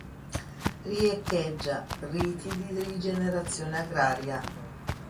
Riecheggia riti di rigenerazione agraria.